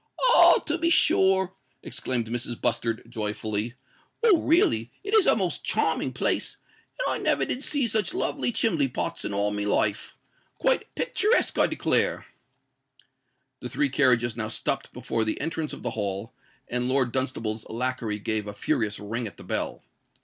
"Oh! to be sure," exclaimed Mrs. Bustard, joyfully. "Well, really, it is a most charming place; and I never did see such lovely chimbley pots in all my life. Quite picturesque, I declare!" The three carriages now stopped before the entrance of the Hall; and Lord Dunstable's lacquey gave a furious ring at the bell.